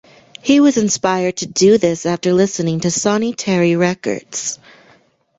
He was inspired to do this after listening to Sonny Terry records.